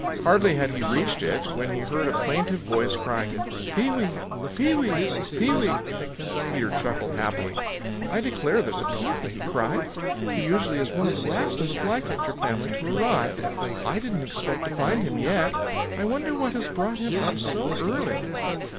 Hardly had he reached it when he heard a plaintive voice crying, "Pee wee! Pee wee! Pee wee!" Peter chuckled happily. "I declare, there's Pee wee," he cried. "He usually is one of the last of the Flycatcher family to arrive. I didn't expect to find him yet. I wonder what has brought him up so early."